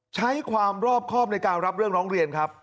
ใช้ความรอบครอบในการรับเรื่องร้องเรียนครับ